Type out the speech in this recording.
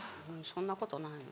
そんなことない。